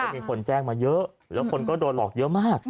มีคนแจ้งมาเยอะแล้วคนก็โดนหลอกเยอะมาก